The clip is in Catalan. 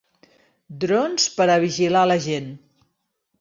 Drons per a vigilar la gent.